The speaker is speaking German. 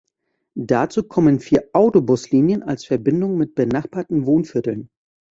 Dazu kommen vier Autobuslinien als Verbindung mit benachbarten Wohnvierteln.